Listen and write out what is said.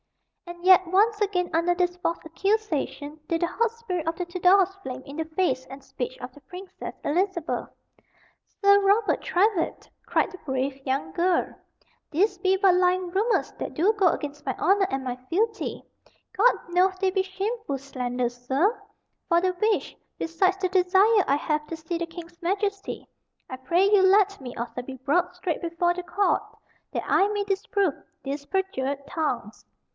And yet, once again, under this false accusation, did the hot spirit of the Tudors flame in the face and speech of the Princess Elizabeth. "Sir Robert Trywhitt," cried the brave young girl, "these be but lying rumors that do go against my honor and my fealty. God knoweth they be shameful slanders, sir; for the which, besides the desire I have to see the King's Majesty, I pray you let me also be brought straight before the court that I may disprove these perjured tongues."